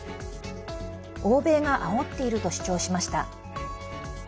欧米があおっていると主張しました。